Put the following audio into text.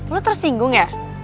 lo tersinggung ya